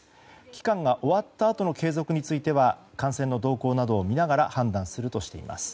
期間が終わったあとの継続については感染の動向などを見ながら判断するとしています。